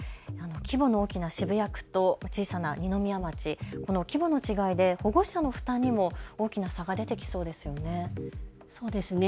規模の大きな渋谷区と小さな二宮町、規模の違いで保護者の負担にも大きな差が出てきそうですよね。